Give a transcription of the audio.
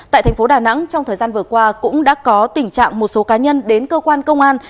tại thành phố đà nẵng trong thời gian vừa qua cũng đã có tình trạng một số cá nhân đến cơ quan công an